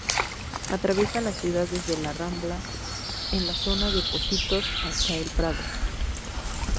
Atraviesa la ciudad desde la rambla en la zona de Pocitos, hasta el Prado.